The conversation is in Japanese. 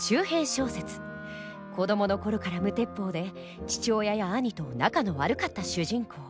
子どもの頃から無鉄砲で父親や兄と仲の悪かった主人公。